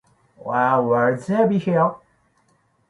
When will they be here?